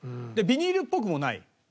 ビニールっぽくもない？